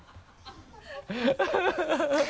ハハハ